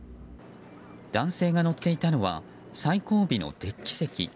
男性が乗っていたのは最後尾のデッキ席。